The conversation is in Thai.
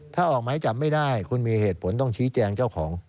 ถ้าออกหมายจับไม่ได้คุณมีเหตุผลต้องชี้แจงเจ้าของ